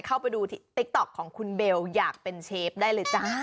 เข้าไปดูติ๊กต๊อกของคุณเบลอยากเป็นเชฟได้เลยจ้า